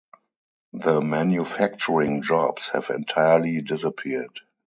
The manufacturing jobs have entirely disappeared.